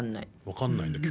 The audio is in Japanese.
分かんないんだ。